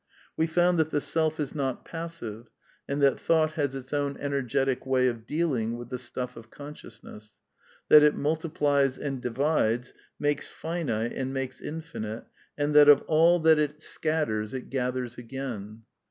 We found that the self is not passive, and that thought has its own energetic way of dealing with the stuff of consciousness; that it multiplies and divides, makes finite and makes infinite, and that of all that it 294 A DEFENCE OF IDEALISM scatters it gathers again.